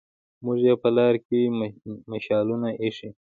موږ يې په لار کې مشالونه ايښي